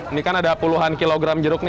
ini kan ada puluhan kilogram jeruk nih